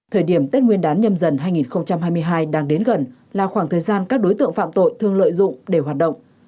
thời điểm tết nguyên đán nhâm dần hai nghìn hai mươi hai đang đến gần là khoảng thời gian các đối tượng phạm tội thường lợi dụng để hoạt động